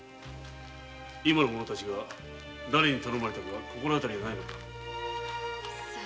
今の者たちがだれに頼まれたのか心当たりはないのか？